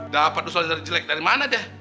dapat usulnya dari jelek dari mana dia